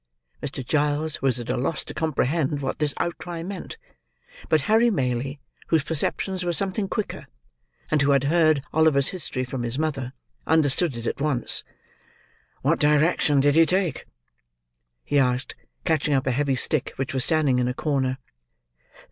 Mr. Giles was at a loss to comprehend what this outcry meant; but Harry Maylie, whose perceptions were something quicker, and who had heard Oliver's history from his mother, understood it at once. "What direction did he take?" he asked, catching up a heavy stick which was standing in a corner.